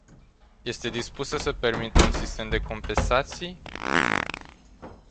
Este dispusă să permită un sistem de compensații?